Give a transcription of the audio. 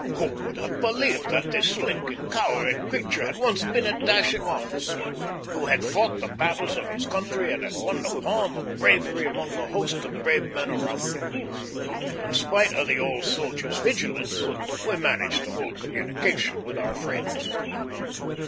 Who would have believed that this slinking, cowering creature had once been a dashing officer, who had fought the battles of his country and had won the palm of bravery among the host of brave men around him? In spite of the old soldier's vigilance, we managed to hold communication with our friends.